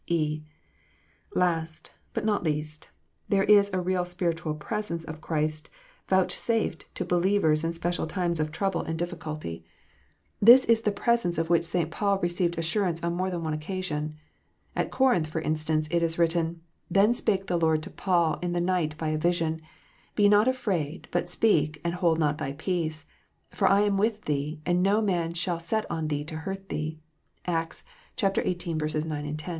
(?) Last, but not least, there is a real spiritual " presence " of Christ vouchsafed to believers in special times of trouble and 200 KNOTS UNTIED. difficulty. This is the presence of which St. Paul received assurance on more than one occasion. At Corinth, for instance, it is written, "Then spake the Lord to Paul in the night by a vision, Be not afraid, but speak, and hold not thy peace : for I am with thee, and no man shall set on thee to hurt thee." (Acts xviii. 9, 10.)